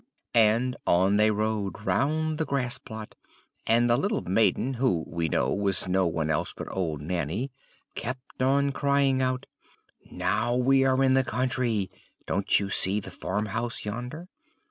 And on they rode round the grass plot; and the little maiden, who, we know, was no one else but old Nanny, kept on crying out, "Now we are in the country! Don't you see the farm house yonder?